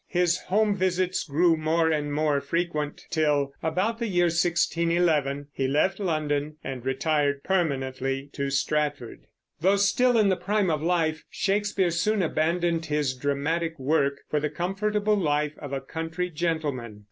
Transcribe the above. His home visits grew more and more frequent till, about the year 1611, he left London and retired permanently to Stratford. Though still in the prime of life, Shakespeare soon abandoned his dramatic work for the comfortable life of a country gentleman.